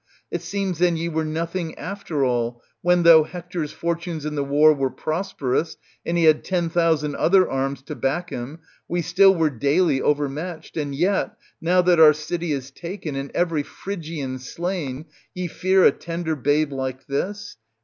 It seems then ye were nothing after all, when, though Hector's fortunes in the war were prosperous and he had ten thousand other arms to back him, we still were daily overmatched ; and yet, now that our city is taken and every Phrygian slain, ye fear a tender babe like this